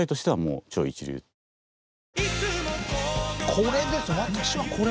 これです私はこれ。